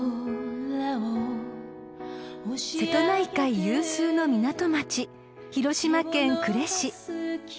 ［瀬戸内海有数の港町広島県呉市］